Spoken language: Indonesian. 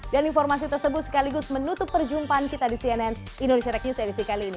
informasi tersebut sekaligus menutup perjumpaan kita di cnn indonesia rek news edisi kali ini